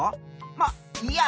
まっいいや！